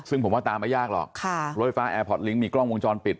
ซึ่งผมว่าตามไม่ยากหรอกค่ะรถไฟฟ้าแอร์พอร์ตลิงค์มีกล้องวงจรปิด